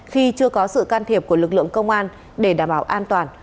khi chưa có sự can thiệp của lực lượng công an để đảm bảo an toàn